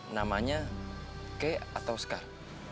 namanya kek atau skar